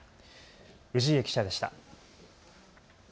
氏家記者でした。